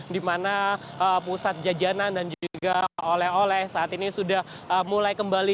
di mana pusat jajanan dan juga oleh oleh saat ini sudah mulai kembali